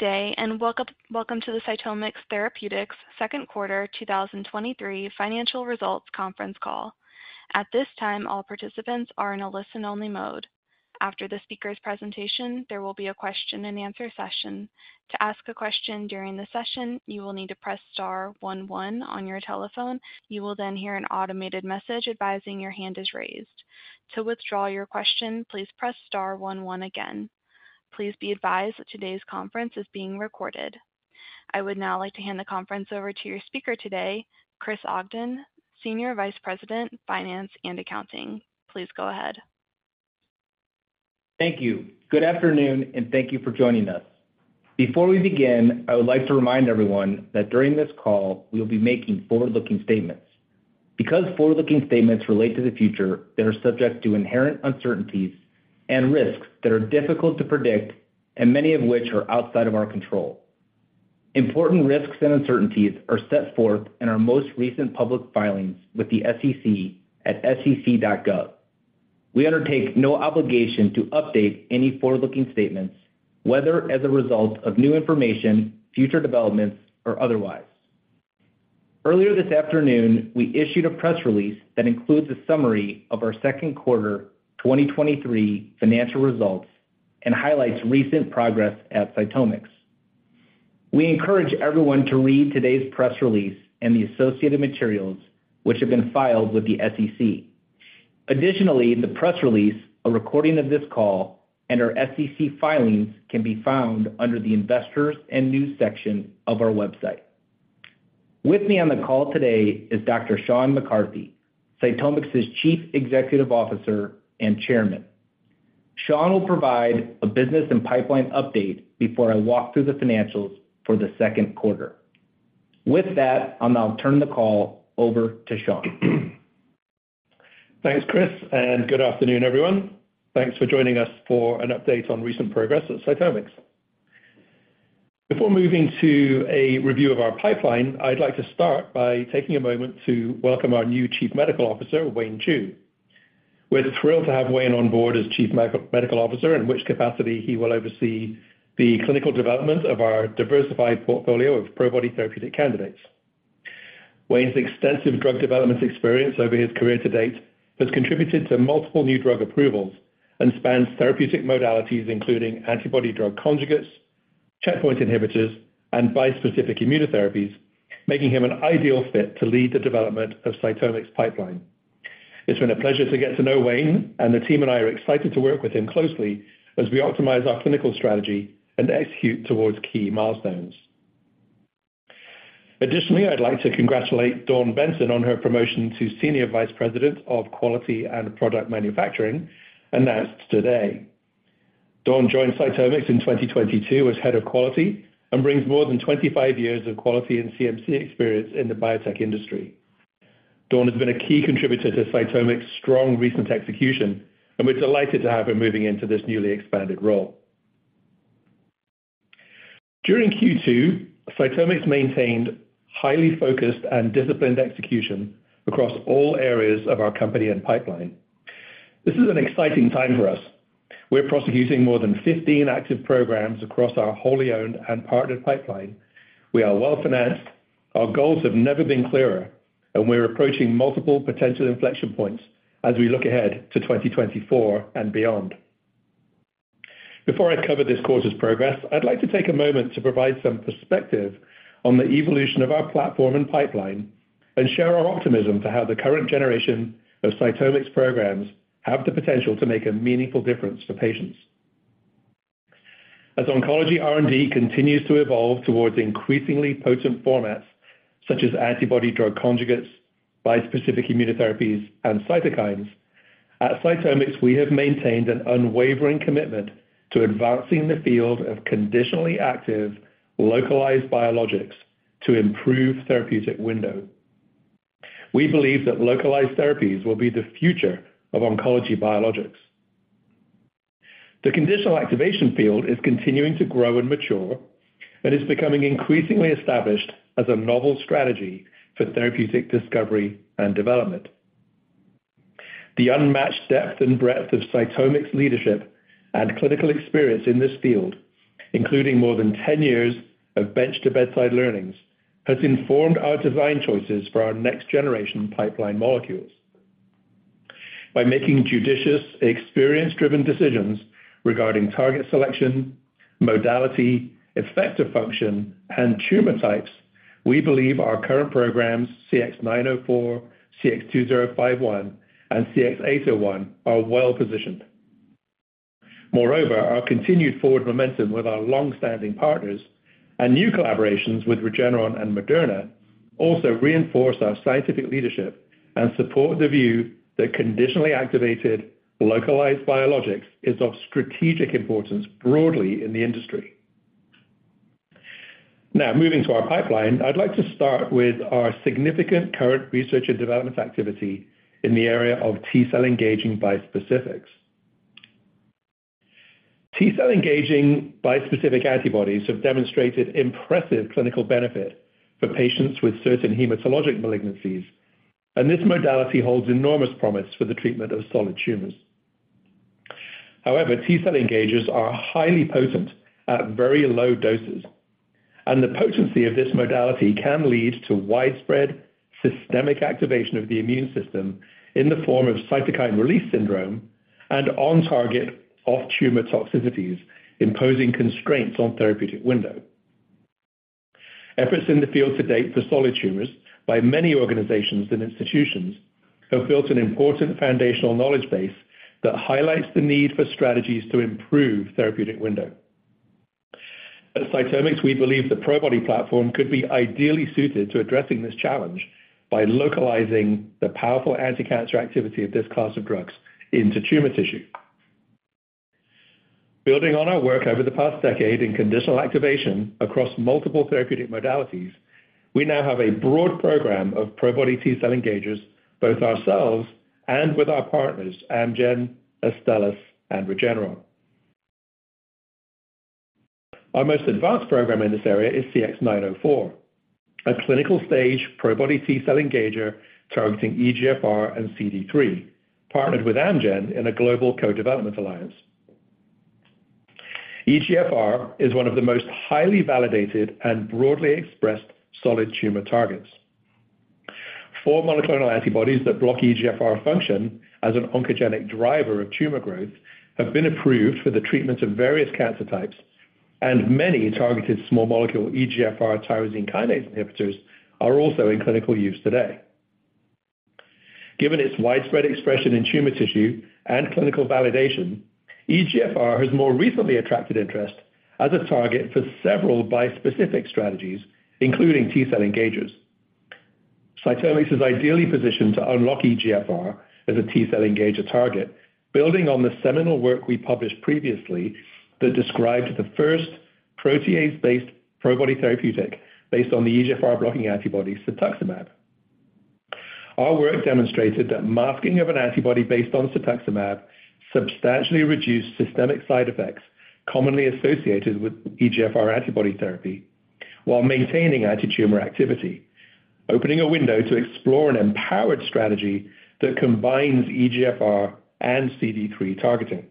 Good day, and welcome, welcome to the CytomX Therapeutics Second Quarter 2023 Financial Results Conference Call. At this time, all participants are in a listen-only mode. After the speaker's presentation, there will be a question-and-answer session. To ask a question during the session, you will need to press star one one on your telephone. You will then hear an automated message advising your hand is raised. To withdraw your question, please press star one one again. Please be advised that today's conference is being recorded. I would now like to hand the conference over to your speaker today, Chris Ogden, Senior Vice President, Finance and Accounting. Please go ahead. Thank you. Good afternoon, and thank you for joining us. Before we begin, I would like to remind everyone that during this call, we will be making forward-looking statements. Because forward-looking statements relate to the future, they are subject to inherent uncertainties and risks that are difficult to predict and many of which are outside of our control. Important risks and uncertainties are set forth in our most recent public filings with the SEC at sec.gov. We undertake no obligation to update any forward-looking statements, whether as a result of new information, future developments, or otherwise. Earlier this afternoon, we issued a press release that includes a summary of our second quarter 2023 financial results and highlights recent progress at CytomX. We encourage everyone to read today's press release and the associated materials which have been filed with the SEC. The press release, a recording of this call, and our SEC filings can be found under the Investors and News section of our website. With me on the call today is Dr. Sean McCarthy, CytomX's Chief Executive Officer and Chairman. Sean will provide a business and pipeline update before I walk through the financials for the second quarter. With that, I'll now turn the call over to Sean. Thanks, Chris, and good afternoon, everyone. Thanks for joining us for an update on recent progress at CytomX. Before moving to a review of our pipeline, I'd like to start by taking a moment to welcome our new Chief Medical Officer, Wayne Chu. We're thrilled to have Wayne on board as Chief Medical Officer, in which capacity he will oversee the clinical development of our diversified portfolio of Probody therapeutic candidates. Wayne's extensive drug development experience over his career to date has contributed to multiple new drug approvals and spans therapeutic modalities, including antibody-drug conjugates, checkpoint inhibitors, and bispecific immunotherapies, making him an ideal fit to lead the development of CytomX's pipeline. It's been a pleasure to get to know Wayne, and the team and I are excited to work with him closely as we optimize our clinical strategy and execute towards key milestones. Additionally, I'd like to congratulate Dawn Benson on her promotion to Senior Vice President of Quality and Product Manufacturing, announced today. Dawn joined CytomX in 2022 as Head of Quality and brings more than 25 years of quality and CMC experience in the biotech industry. Dawn has been a key contributor to CytomX's strong recent execution, and we're delighted to have her moving into this newly expanded role. During Q2, CytomX maintained highly focused and disciplined execution across all areas of our company and pipeline. This is an exciting time for us. We're prosecuting more than 15 active programs across our wholly owned and partnered pipeline. We are well-financed, our goals have never been clearer, and we're approaching multiple potential inflection points as we look ahead to 2024 and beyond. Before I cover this quarter's progress, I'd like to take a moment to provide some perspective on the evolution of our platform and pipeline and share our optimism for how the current generation of CytomX programs have the potential to make a meaningful difference for patients. As oncology R&D continues to evolve towards increasingly potent formats such as antibody-drug conjugates, bispecific immunotherapies, and cytokines, at CytomX, we have maintained an unwavering commitment to advancing the field of conditionally active, localized biologics to improve therapeutic window. We believe that localized therapies will be the future of oncology biologics. The conditional activation field is continuing to grow and mature and is becoming increasingly established as a novel strategy for therapeutic discovery and development. The unmatched depth and breadth of CytomX's leadership and clinical experience in this field, including more than 10 years of bench-to-bedside learnings, has informed our design choices for our next-generation pipeline molecules. By making judicious, experience-driven decisions regarding target selection, modality, effector function, and tumor types, we believe our current programs, CX-904, CX-2051, and CX-801, are well positioned. Moreover, our continued forward momentum with our long-standing partners and new collaborations with Regeneron and Moderna also reinforce our scientific leadership and support the view that conditionally activated, localized biologics is of strategic importance broadly in the industry. Now, moving to our pipeline, I'd like to start with our significant current research and development activity in the area of T-cell engaging bispecifics. T-cell engaging bispecific antibodies have demonstrated impressive clinical benefit for patients with certain hematologic malignancies, and this modality holds enormous promise for the treatment of solid tumors. However, T-cell engagers are highly potent at very low doses, and the potency of this modality can lead to widespread systemic activation of the immune system in the form of cytokine release syndrome and on-target off-tumor toxicities, imposing constraints on therapeutic window. Efforts in the field to date for solid tumors by many organizations and institutions have built an important foundational knowledge base that highlights the need for strategies to improve therapeutic window. At CytomX, we believe the Probody platform could be ideally suited to addressing this challenge by localizing the powerful anticancer activity of this class of drugs into tumor tissue. Building on our work over the past decade in conditional activation across multiple therapeutic modalities, we now have a broad program of Probody T-cell engagers, both ourselves and with our partners, Amgen, Astellas, and Regeneron. Our most advanced program in this area is CX-904, a clinical-stage Probody T-cell engager targeting EGFR and CD3, partnered with Amgen in a global co-development alliance. EGFR is one of the most highly validated and broadly expressed solid tumor targets. Four monoclonal antibodies that block EGFR function as an oncogenic driver of tumor growth have been approved for the treatment of various cancer types, and many targeted small molecule EGFR tyrosine kinase inhibitors are also in clinical use today. Given its widespread expression in tumor tissue and clinical validation, EGFR has more recently attracted interest as a target for several bispecific strategies, including T-cell engagers. CytomX is ideally positioned to unlock EGFR as a T-cell engager target, building on the seminal work we published previously that describes the first protease-based Probody therapeutic based on the EGFR-blocking antibody cetuximab. Our work demonstrated that masking of an antibody based on cetuximab substantially reduced systemic side effects commonly associated with EGFR antibody therapy, while maintaining antitumor activity, opening a window to explore an empowered strategy that combines EGFR and CD3 targeting.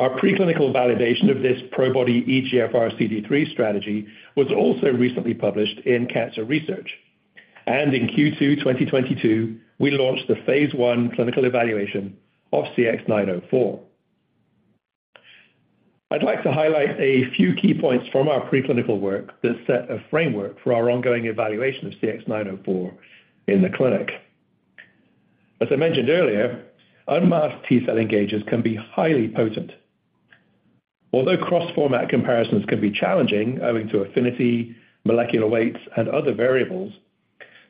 Our preclinical validation of this Probody EGFR CD3 strategy was also recently published in Cancer Research, and in Q2 2022, we launched the phase I clinical evaluation of CX-904. I'd like to highlight a few key points from our preclinical work that set a framework for our ongoing evaluation of CX-904 in the clinic. As I mentioned earlier, unmasked T-cell engagers can be highly potent. Although cross-format comparisons can be challenging, owing to affinity, molecular weights, and other variables,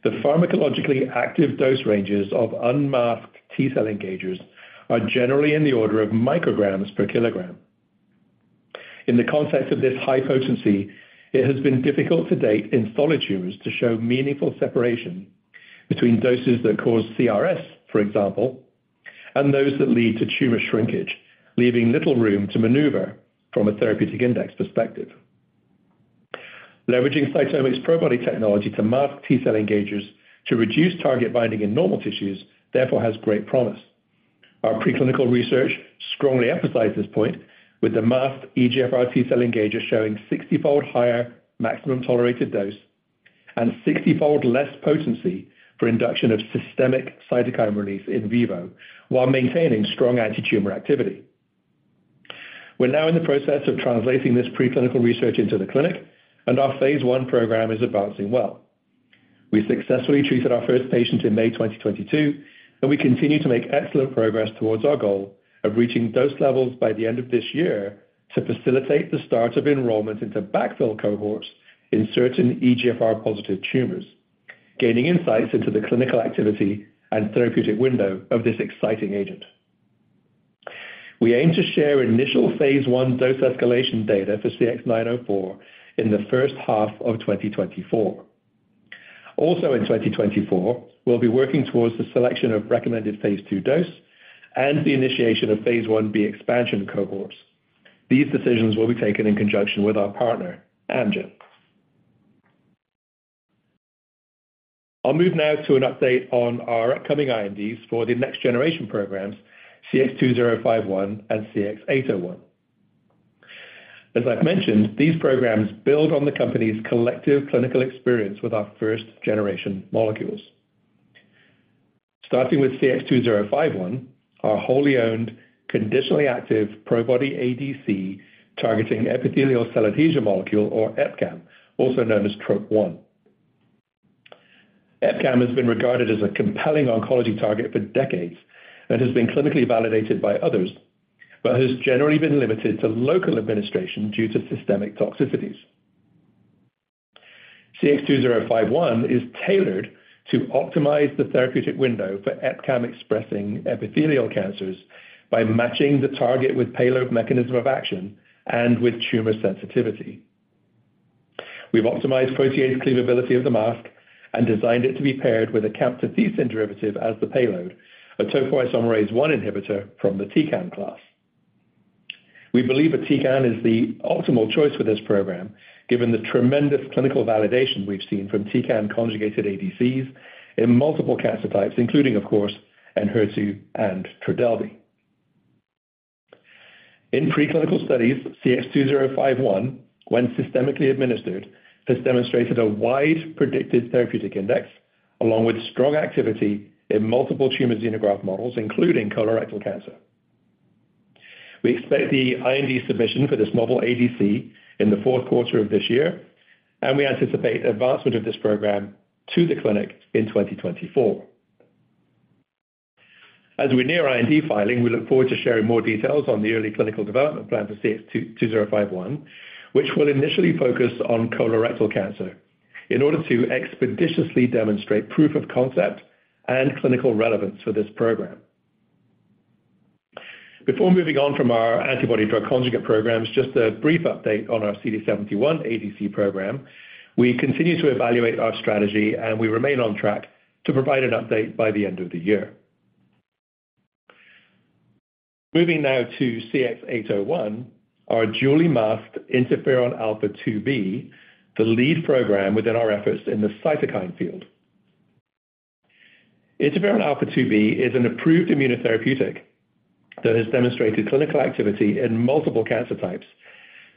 the pharmacologically active dose ranges of unmasked T-cell engagers are generally in the order of micrograms per kilogram. In the context of this high potency, it has been difficult to date in solid tumors to show meaningful separation between doses that cause CRS, for example, and those that lead to tumor shrinkage, leaving little room to maneuver from a therapeutic index perspective. Leveraging CytomX Probody technology to mask T-cell engagers to reduce target binding in normal tissues, therefore, has great promise. Our preclinical research strongly emphasized this point, with the masked EGFR T-cell engager showing 60-fold higher maximum tolerated dose and 60-fold less potency for induction of systemic cytokine release in vivo, while maintaining strong antitumor activity. We're now in the process of translating this preclinical research into the clinic, and our phase I program is advancing well. We successfully treated our first patient in May 2022, and we continue to make excellent progress towards our goal of reaching dose levels by the end of this year to facilitate the start of enrollment into backfill cohorts in certain EGFR-positive tumors, gaining insights into the clinical activity and therapeutic window of this exciting agent. We aim to share initial phase I dose escalation data for CX-904 in the first half of 2024. Also, in 2024, we'll be working towards the selection of recommended Phase II dose and the initiation of phase IB expansion cohorts. These decisions will be taken in conjunction with our partner, Amgen. I'll move now to an update on our upcoming INDs for the next generation programs, CX-2051 and CX-801. As I've mentioned, these programs build on the company's collective clinical experience with our first-generation molecules. Starting with CX-2051, our wholly owned, conditionally active Probody ADC, targeting epithelial cell adhesion molecule, or EpCAM, also known as TROP1. EpCAM has been regarded as a compelling oncology target for decades and has been clinically validated by others, but has generally been limited to local administration due to systemic toxicities. CX-2051 is tailored to optimize the therapeutic window for EpCAM-expressing epithelial cancers by matching the target with payload mechanism of action and with tumor sensitivity. We've optimized protease cleavability of the mask and designed it to be paired with a camptothecin derivative as the payload, a topoisomerase I inhibitor from the Tecan class. We believe that Tecan is the optimal choice for this program, given the tremendous clinical validation we've seen from Tecan conjugated ADCs in multiple cancer types, including, of course, Enhertu and Trodelvy. In preclinical studies, CX-2051, when systemically administered, has demonstrated a wide predicted therapeutic index, along with strong activity in multiple tumor xenograft models, including colorectal cancer. We expect the IND submission for this novel ADC in the fourth quarter of this year, and we anticipate advancement of this program to the clinic in 2024. As we near IND filing, we look forward to sharing more details on the early clinical development plan for CX-2051, which will initially focus on colorectal cancer, in order to expeditiously demonstrate proof of concept and clinical relevance for this program. Before moving on from our antibody-drug conjugate programs, just a brief update on our CD71 ADC program. We continue to evaluate our strategy. We remain on track to provide an update by the end of the year. Moving now to CX-801, our dually masked interferon alpha-2b, the lead program within our efforts in the cytokine field. Interferon alpha-2b is an approved immunotherapeutic that has demonstrated clinical activity in multiple cancer types.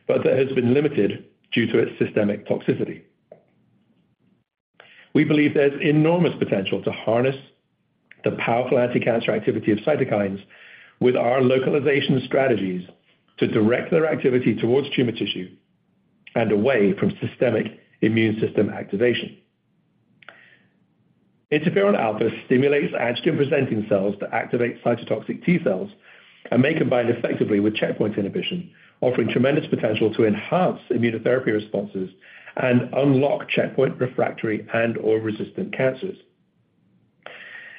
That has been limited due to its systemic toxicity. We believe there's enormous potential to harness the powerful anticancer activity of cytokines with our localization strategies to direct their activity towards tumor tissue and away from systemic immune system activation. Interferon alpha stimulates antigen-presenting cells to activate cytotoxic T cells and may combine effectively with checkpoint inhibition, offering tremendous potential to enhance immunotherapy responses and unlock checkpoint refractory and/or resistant cancers.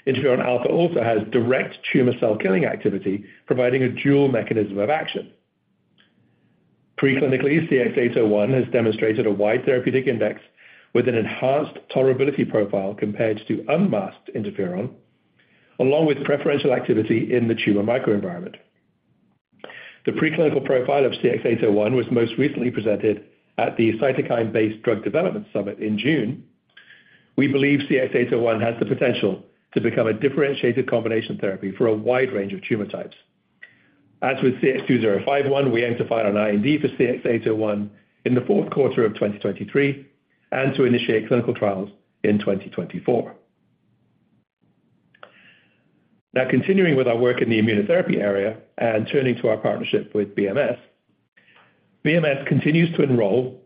Interferon alpha also has direct tumor cell killing activity, providing a dual mechanism of action. Preclinically, CX-801 has demonstrated a wide therapeutic index with an enhanced tolerability profile compared to unmasked interferon, along with preferential activity in the tumor microenvironment. The preclinical profile of CX-801 was most recently presented at the Cytokine-Based Drug Development Summit in June. We believe CX-801 has the potential to become a differentiated combination therapy for a wide range of tumor types. As with CX-2051, we aim to file an IND for CX-801 in the fourth quarter of 2023, and to initiate clinical trials in 2024. Now, continuing with our work in the immunotherapy area and turning to our partnership with BMS. BMS continues to enroll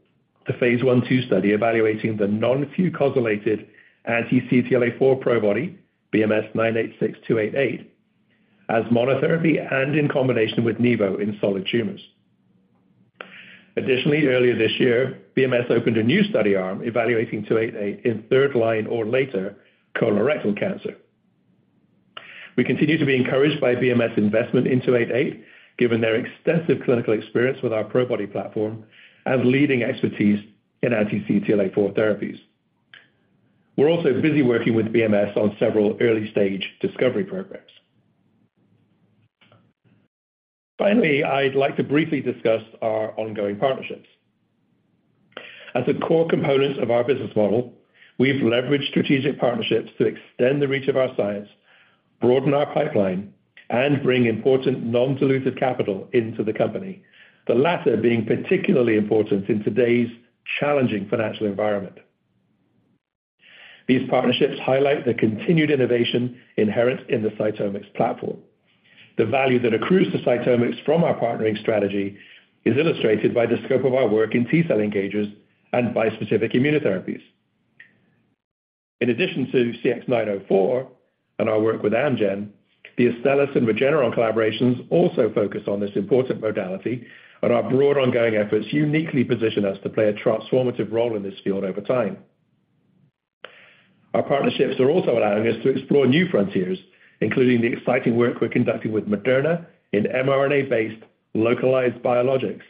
the phase I, II study evaluating the non-fucosylated anti-CTLA-4 Probody, BMS-986288, as monotherapy and in combination with nivo in solid tumors. Additionally, earlier this year, BMS opened a new study arm evaluating 288 in third line or later colorectal cancer. We continue to be encouraged by BMS's investment in 288, given their extensive clinical experience with our Probody platform and leading expertise in anti-CTLA-4 therapies. We're also busy working with BMS on several early-stage discovery programs. Finally, I'd like to briefly discuss our ongoing partnerships. As a core component of our business model, we've leveraged strategic partnerships to extend the reach of our science, broaden our pipeline, and bring important non-dilutive capital into the company, the latter being particularly important in today's challenging financial environment. These partnerships highlight the continued innovation inherent in the CytomX platform. The value that accrues to CytomX from our partnering strategy is illustrated by the scope of our work in T-cell engagers and bispecific immunotherapies. In addition to CX-904 and our work with Amgen, the Astellas and Regeneron collaborations also focus on this important modality, and our broad ongoing efforts uniquely position us to play a transformative role in this field over time. Our partnerships are also allowing us to explore new frontiers, including the exciting work we're conducting with Moderna in mRNA-based localized biologics.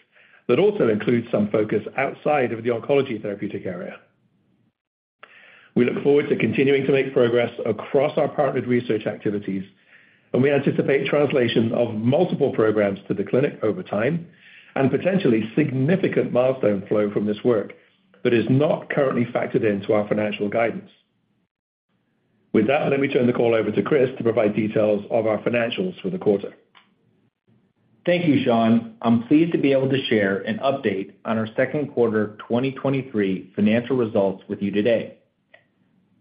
That also includes some focus outside of the oncology therapeutic area. We look forward to continuing to make progress across our partnered research activities, and we anticipate translation of multiple programs to the clinic over time and potentially significant milestone flow from this work that is not currently factored into our financial guidance. With that, let me turn the call over to Chris to provide details of our financials for the quarter. Thank you, Sean. I'm pleased to be able to share an update on our second quarter 2023 financial results with you today.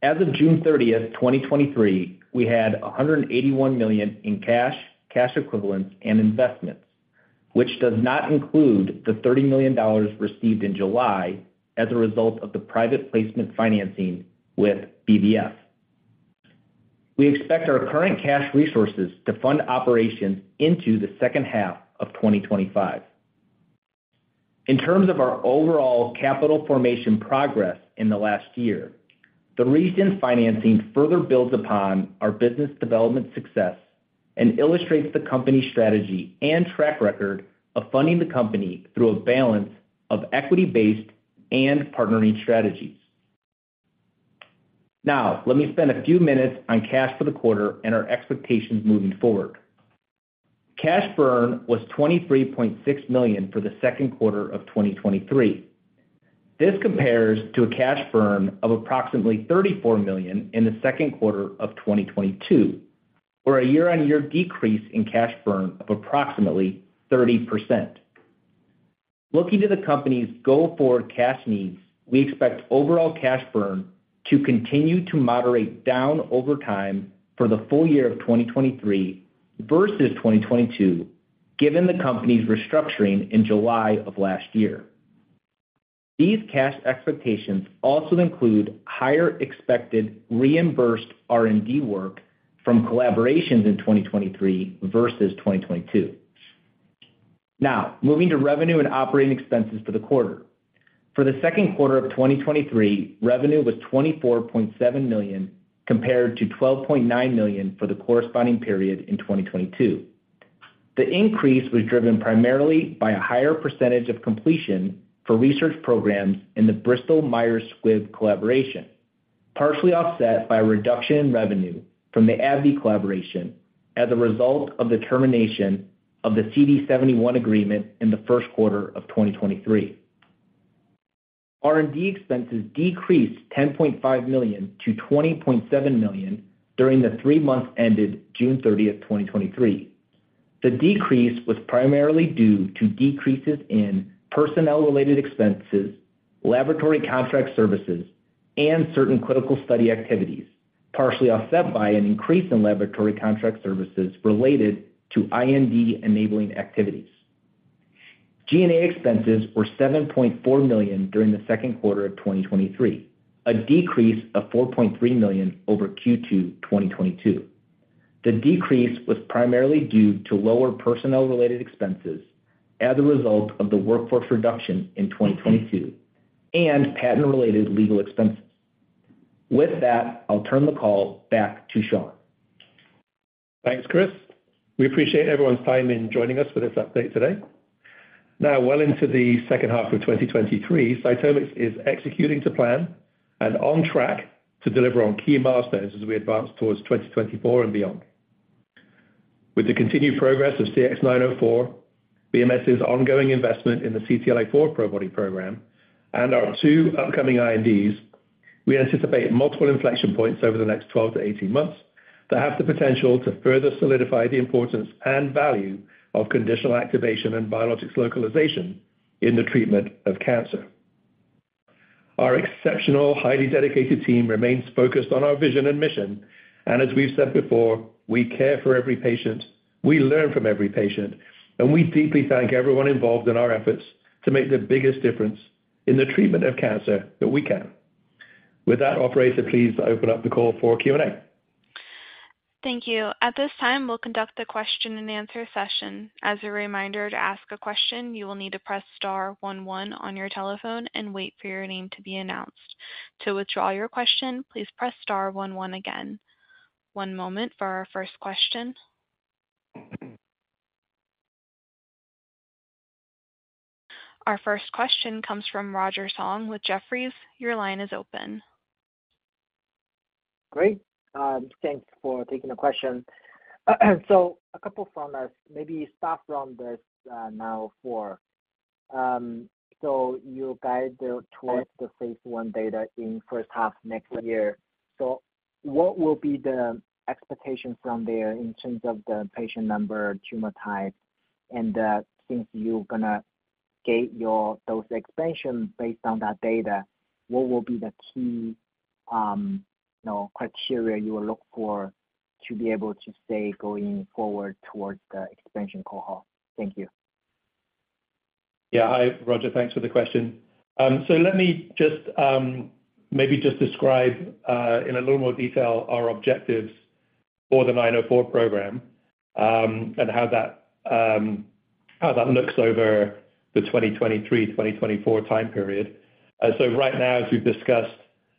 As of June 30th, 2023, we had $181 million in cash, cash equivalents, and investments, which does not include the $30 million received in July as a result of the private placement financing with BVF. We expect our current cash resources to fund operations into the second half of 2025. In terms of our overall capital formation progress in the last year, the recent financing further builds upon our business development success and illustrates the company's strategy and track record of funding the company through a balance of equity-based and partnering strategies.... Let me spend a few minutes on cash for the quarter and our expectations moving forward. Cash burn was $23.6 million for the second quarter of 2023. This compares to a cash burn of approximately $34 million in the second quarter of 2022, for a year-on-year decrease in cash burn of approximately 30%. Looking to the company's go-forward cash needs, we expect overall cash burn to continue to moderate down over time for the full year of 2023 versus 2022, given the company's restructuring in July of last year. These cash expectations also include higher expected reimbursed R&D work from collaborations in 2023 versus 2022. Now, moving to revenue and operating expenses for the quarter. For the second quarter of 2023, revenue was $24.7 million, compared to $12.9 million for the corresponding period in 2022. The increase was driven primarily by a higher percentage of completion for research programs in the Bristol Myers Squibb collaboration, partially offset by a reduction in revenue from the AbbVie collaboration as a result of the termination of the CD71 agreement in the first quarter of 2023. R&D expenses decreased $10.5 million-$20.7 million during the 3 months ended June 30th, 2023. The decrease was primarily due to decreases in personnel-related expenses, laboratory contract services, and certain clinical study activities, partially offset by an increase in laboratory contract services related to IND enabling activities. G&A expenses were $7.4 million during the second quarter of 2023, a decrease of $4.3 million over Q2 2022. The decrease was primarily due to lower personnel-related expenses as a result of the workforce reduction in 2022 and patent-related legal expenses. With that, I'll turn the call back to Sean. Thanks, Chris. We appreciate everyone's time in joining us for this update today. Now, well into the second half of 2023, CytomX is executing to plan and on track to deliver on key milestones as we advance towards 2024 and beyond. With the continued progress of CX-904, BMS's ongoing investment in the CTLA-4 ProBody program, and our two upcoming INDs, we anticipate multiple inflection points over the next 12-18 months that have the potential to further solidify the importance and value of conditional activation and biologics localization in the treatment of cancer. Our exceptional, highly dedicated team remains focused on our vision and mission, and as we've said before, we care for every patient, we learn from every patient, and we deeply thank everyone involved in our efforts to make the biggest difference in the treatment of cancer that we can. With that, operator, please open up the call for Q&A. Thank you. At this time, we'll conduct the question-and-answer session. As a reminder, to ask a question, you will need to press star one one on your telephone and wait for your name to be announced. To withdraw your question, please press star one one again. One moment for our first question. Our first question comes from Roger Song with Jefferies. Your line is open. Great. thanks for taking the question. A couple from us, maybe start from this, 904 you guide towards the phase I data in first half next year. What will be the expectation from there in terms of the patient number, tumor type, and, since you're gonna get those expansions based on that data, what will be the key, you know, criteria you will look for to be able to say, going forward towards the expansion cohort? Thank you. Yeah. Hi, Roger. Thanks for the question. Let me just maybe just describe in a little more detail our objectives for the 904 program, and how that how that looks over the 2023-2024 time period. Right now, as we've discussed,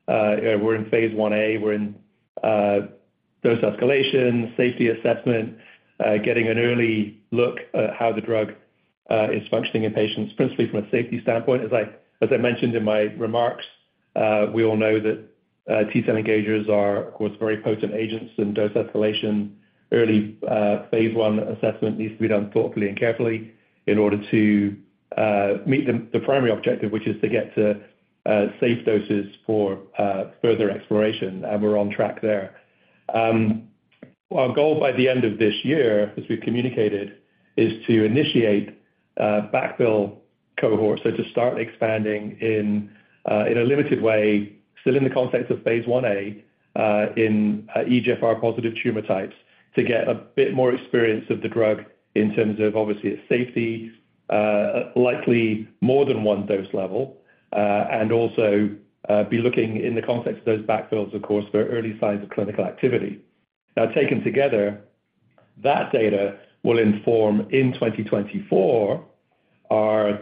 we're in phase IA. We're in dose escalation, safety assessment, getting an early look at how the drug is functioning in patients, principally from a safety standpoint. As I, as I mentioned in my remarks, we all know that T-cell engagers are, of course, very potent agents in dose escalation. Early phase I assessment needs to be done thoughtfully and carefully in order to meet the primary objective, which is to get to safe doses for further exploration, and we're on track there. d of this year, as we have communicated, is to initiate backfill cohorts, so to start expanding in a limited way, still in the context of phase IA, in EGFR-positive tumor types, to get a bit more experience of the drug in terms of, obviously, its safety, likely more than one dose level, and also be looking in the context of those backfills, of course, for early signs of clinical activity. Now, taken together, that data will inform, in 2024, our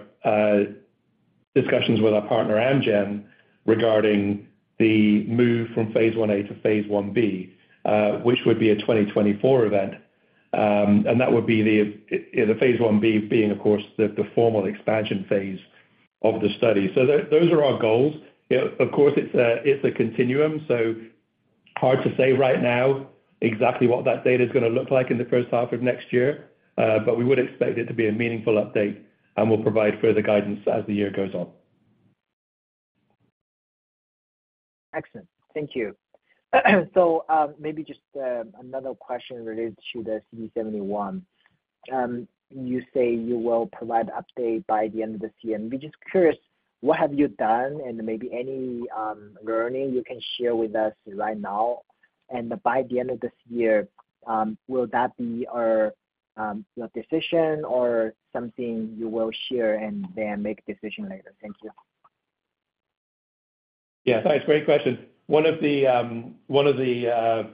discussions with our partner, Amgen, regarding the move from phase IA to phase IB, which would be a 2024 event. And that would be the phase IB being, of course, the formal expansion phase of the study. So those are our goals Yeah, of course, it's a, it's a continuum, so hard to say right now exactly what that data is going to look like in the first half of next year. We would expect it to be a meaningful update, and we'll provide further guidance as the year goes on. Excellent. Thank you. Maybe just another question related to the CD71. You say you will provide update by the end of this year. We're just curious, what have you done and maybe any learning you can share with us right now? By the end of this year, will that be our, your decision or something you will share and then make a decision later? Thank you. Yeah, thanks. Great question. One of the, one of the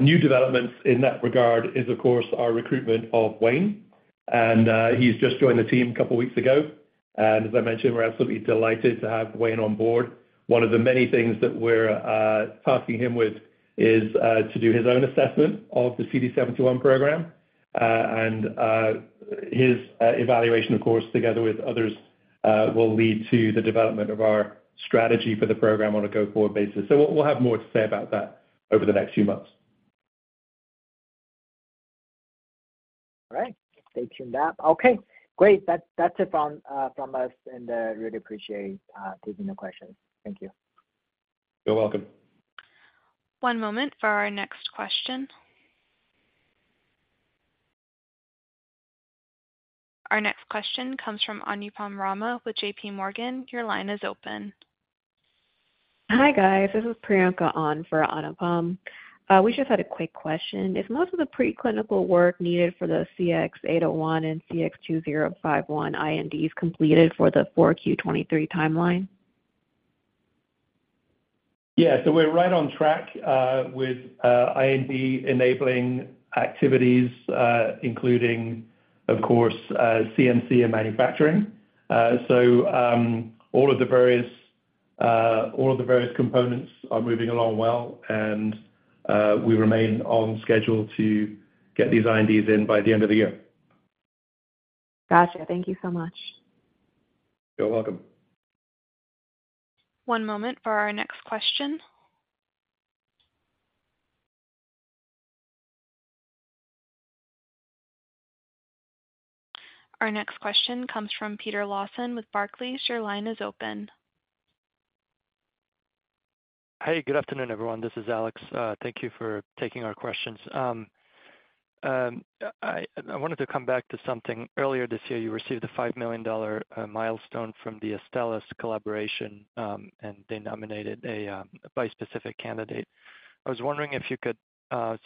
new developments in that regard is, of course, our recruitment of Wayne, and he's just joined the team a couple of weeks ago. As I mentioned, we're absolutely delighted to have Wayne on board. One of the many things that we're tasking him with is to do his own assessment of the CD71 program. His evaluation, of course, together with others, will lead to the development of our strategy for the program on a go-forward basis. We'll, we'll have more to say about that over the next few months. All right. Stay tuned up. Okay, great. That's, that's it from, from us, and really appreciate taking the questions. Thank you. You're welcome. One moment for our next question. Our next question comes from Anupam Rama with JP Morgan. Your line is open. Hi, guys. This is Priyanka On for Anupam. We just had a quick question. If most of the preclinical work needed for the CX-801 and CX-2051 IND is completed for the 4Q 2023 timeline? Yeah. We're right on track with IND-enabling activities, including, of course, CMC and manufacturing. All of the various, all of the various components are moving along well, and we remain on schedule to get these INDs in by the end of the year. Gotcha. Thank you so much. You're welcome. One moment for our next question. Our next question comes from Peter Lawson with Barclays. Your line is open. Hey, good afternoon, everyone. This is Alex. Thank you for taking our questions. I, I wanted to come back to something. Earlier this year, you received a $5 million milestone from the Astellas collaboration, and they nominated a bispecific candidate. I was wondering if you could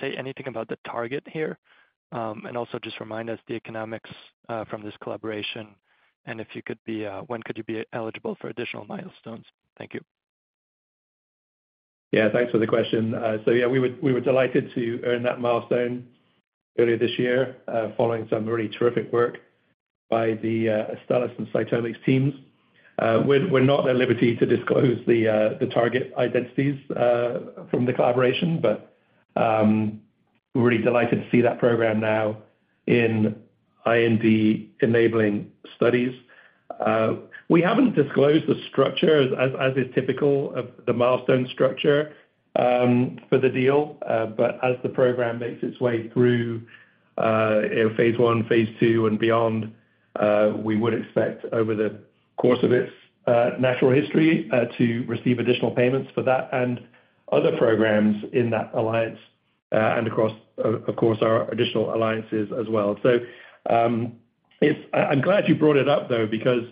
say anything about the target here, and also just remind us the economics from this collaboration, and if you could be, when could you be eligible for additional milestones? Thank you. Yeah, thanks for the question. Yeah, we were, we were delighted to earn that milestone earlier this year, following some really terrific work by the Astellas and CytomX teams. We're, we're not at liberty to disclose the the target identities from the collaboration, but we're really delighted to see that program now in IND-enabling studies. We haven't disclosed the structure as, as, as is typical of the milestone structure, for the deal, but as the program makes its way through phase I, phase II, and beyond, we would expect over the course of its natural history, to receive additional payments for that and other programs in that alliance, and across, of, of course, our additional alliances as well. It's... I'm glad you brought it up, though, because,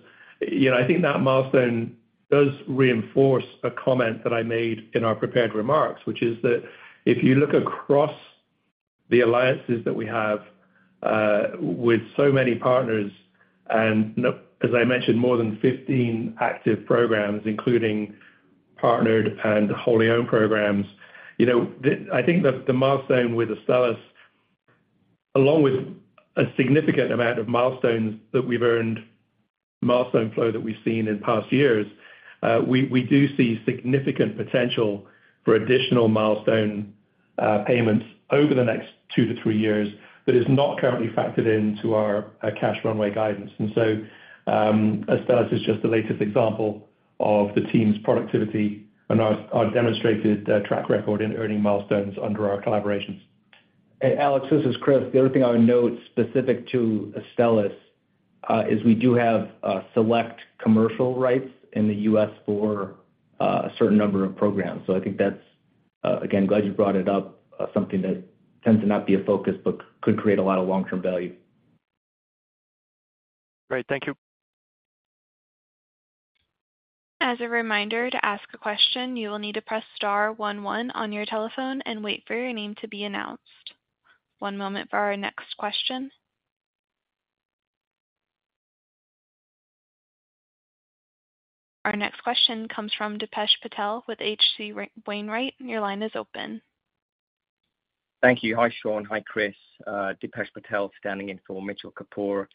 you know, I think that milestone does reinforce a comment that I made in our prepared remarks, which is that if you look across the alliances that we have with so many partners, and as I mentioned, more than 15 active programs, including partnered and wholly owned programs. You know, the, I think the, the milestone with Astellas, along with a significant amount of milestones that we've earned, milestone flow that we've seen in past years, we, we do see significant potential for additional milestone payments over the next two to three years, but is not currently factored into our cash runway guidance. So, Astellas is just the latest example of the team's productivity and our, our demonstrated track record in earning milestones under our collaborations. Hey, Alex, this is Chris. The other thing I would note specific to Astellas, is we do have select commercial rights in the U.S. for a certain number of programs. I think that's again, glad you brought it up, something that tends to not be a focus but could create a lot of long-term value. Great. Thank you. As a reminder, to ask a question, you will need to press star one one on your telephone and wait for your name to be announced. One moment for our next question. Our next question comes from Dipesh Patel with H.C. Wainwright. Your line is open. Thank you. Hi, Sean. Hi, Chris. Dipesh Patel, standing in for Mitchell Kapoor.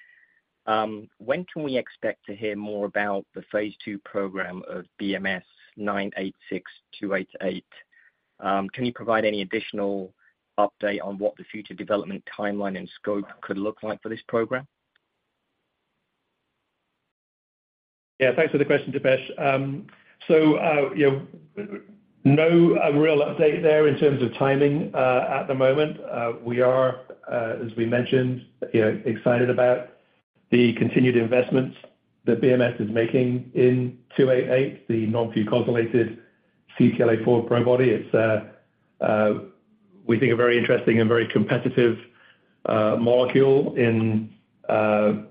When can we expect to hear more about the phase II program of BMS-986288? Can you provide any additional update on what the future development timeline and scope could look like for this program? Yeah, thanks for the question, Deepesh. You know, no, a real update there in terms of timing, at the moment. We are, as we mentioned, you know, excited about the continued investments that BMS is making in 288, the non-fucosylated CTLA-4 Probody. It's a, we think, a very interesting and very competitive, molecule in, a, a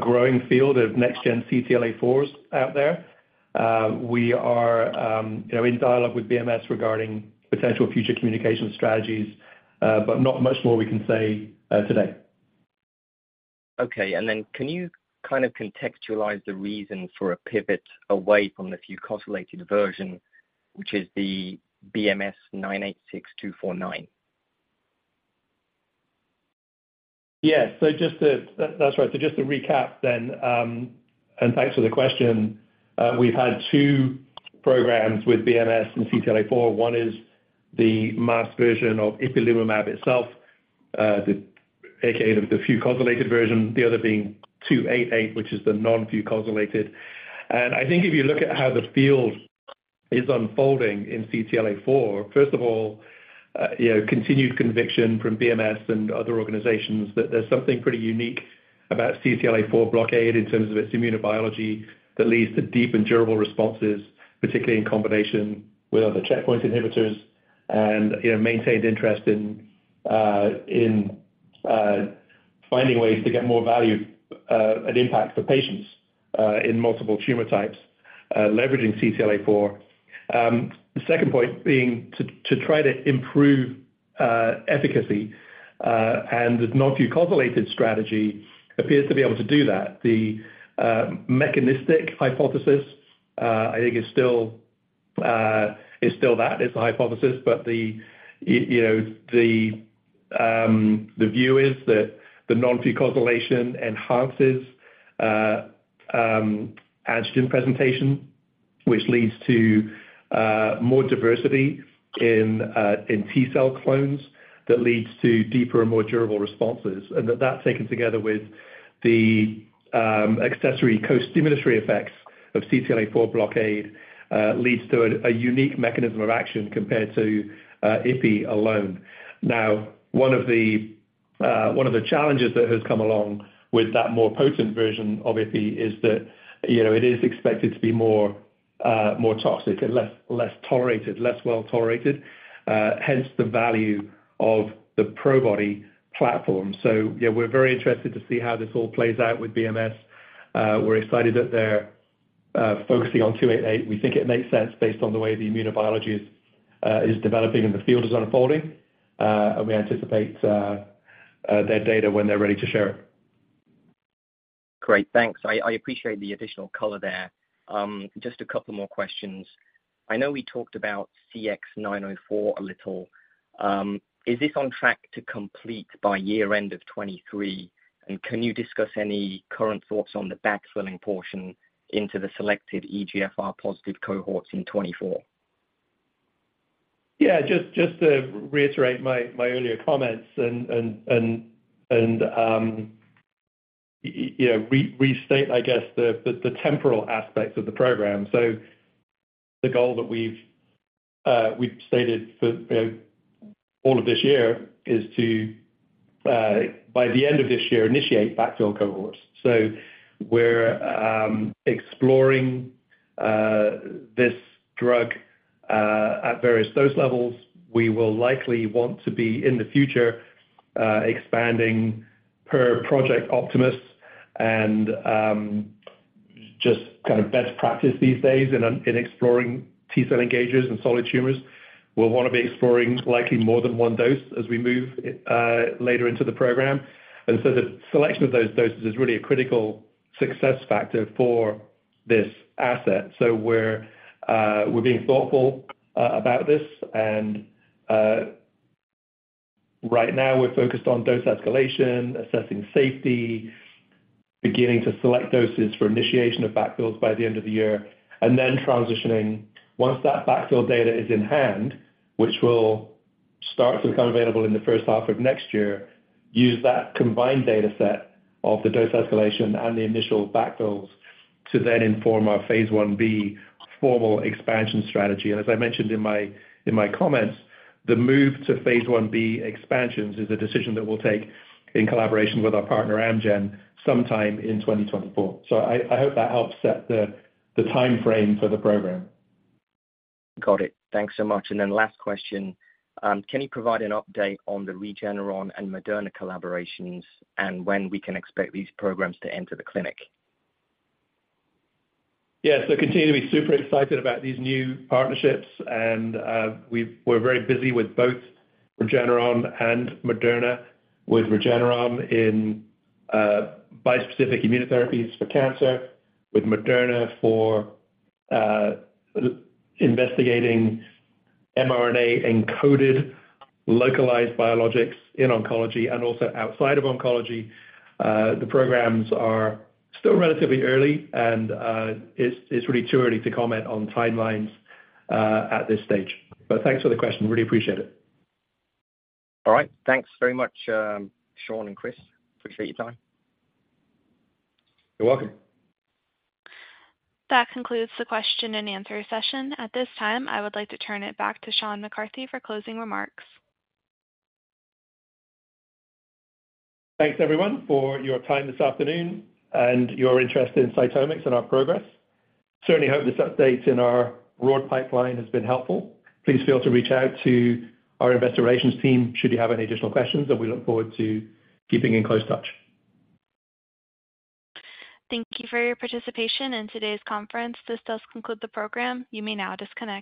growing field of next gen CTLA-4s out there. We are, you know, in dialogue with BMS regarding potential future communication strategies, not much more we can say, today. Okay. Then can you kind of contextualize the reason for a pivot away from the fucosylated version, which is the BMS-986249? Yes. Just to... That-that's right. Just to recap then, thanks for the question. We've had two programs with BMS and CTLA-4. One is the masked version of ipilimumab itself, the A.K.A. the fucosylated version, the other being 288, which is the non-fucosylated. I think if you look at how the field is unfolding in CTLA-4, first of all, you know, continued conviction from BMS and other organizations, that there's something pretty unique about CTLA-4 blockade in terms of its immunobiology, that leads to deep and durable responses, particularly in combination with other checkpoint inhibitors and, you know, maintained interest in, in, finding ways to get more value, and impact for patients, in multiple tumor types, leveraging CTLA-4. The second point being to, to try to improve efficacy, and the non-fucosylated strategy appears to be able to do that. The mechanistic hypothesis, I think, is still, is still that, it's a hypothesis, but you know, the view is that the non-fucosylation enhances antigen presentation, which leads to more diversity in T-cell clones that leads to deeper and more durable responses. That that, taken together with the accessory costimulatory effects of CTLA-4 blockade, leads to a unique mechanism of action compared to Ipi alone. One of the, one of the challenges that has come along with that more potent version of Ipi is that, you know, it is expected to be more, more toxic and less, less tolerated, less well tolerated, hence the value of the Probody platform. Yeah, we're very interested to see how this all plays out with BMS. We're excited that they're focusing on 288. We think it makes sense based on the way the immunobiology is developing and the field is unfolding. We anticipate their data when they're ready to share it. Great, thanks. I appreciate the additional color there. Just a couple more questions. I know we talked about CX-904 a little. Is this on track to complete by year end of 2023? Can you discuss any current thoughts on the backfilling portion into the selected EGFR positive cohorts in 2024? Yeah, just, just to reiterate my, my earlier comments and, and, and, and, you know, restate, I guess, the, the, the temporal aspects of the program. The goal that we've, we've stated for, you know, all of this year is to, by the end of this year, initiate backfill cohorts. We're exploring this drug at various dose levels. We will likely want to be, in the future, expanding per Project Optimus and just kind of best practice these days in, in exploring T-cell engagers and solid tumors. We'll want to be exploring likely more than one dose as we move later into the program. The selection of those doses is really a critical success factor for this asset. We're being thoughtful about this, and right now we're focused on dose escalation, assessing safety, beginning to select doses for initiation of backfills by the end of the year, and then transitioning. Once that backfill data is in hand, which will start to become available in the first half of next year, use that combined data set of the dose escalation and the initial backfills to then inform our phase IB formal expansion strategy. As I mentioned in my comments, the move to phase IB expansions is a decision that we'll take in collaboration with our partner, Amgen, sometime in 2024. I hope that helps set the timeframe for the program. Got it. Thanks so much. Last question, can you provide an update on the Regeneron and Moderna collaborations and when we can expect these programs to enter the clinic? Yes, continue to be super excited about these new partnerships, and, we're very busy with both Regeneron and Moderna. With Regeneron in bispecific immunotherapies for cancer, with Moderna for investigating mRNA-encoded localized biologics in oncology and also outside of oncology. The programs are still relatively early and, it's, it's really too early to comment on timelines at this stage. Thanks for the question. Really appreciate it. All right. Thanks very much, Sean and Chris. Appreciate your time. You're welcome. That concludes the question and answer session. At this time, I would like to turn it back to Sean McCarthy for closing remarks. Thanks, everyone, for your time this afternoon and your interest in CytomX and our progress. Certainly hope this update in our broad pipeline has been helpful. Please feel to reach out to our investor relations team should you have any additional questions, and we look forward to keeping in close touch. Thank you for your participation in today's conference. This does conclude the program. You may now disconnect.